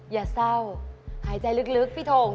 อย่าเศร้าหายใจลึกพี่ทง